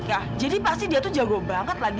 kamilah kamu udah selesai